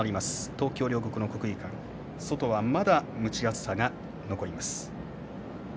東京・両国の国技館外はまだ蒸し暑さが残ります。